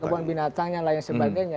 kebun binatang dan lain sebagainya